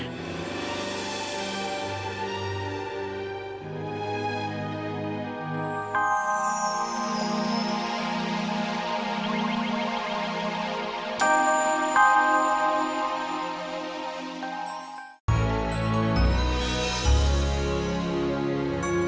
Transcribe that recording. aku harus menghalangi dia